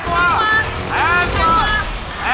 แพงกว่า